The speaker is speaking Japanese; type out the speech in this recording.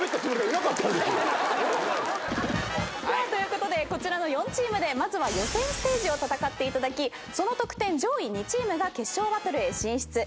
ということでこちらの４チームで予選ステージを戦っていただきその得点上位２チームが決勝バトルへ進出。